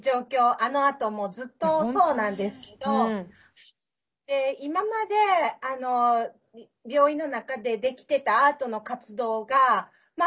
あのあともずっとそうなんですけど今まで病院の中でできてたアートの活動がまあ